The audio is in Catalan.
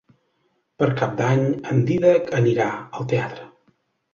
Per Cap d'Any en Dídac anirà al teatre.